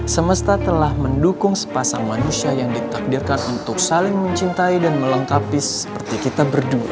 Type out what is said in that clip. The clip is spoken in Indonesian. semesta telah mendukung sepasang manusia yang ditakdirkan untuk saling mencintai dan melengkapi seperti kita berdua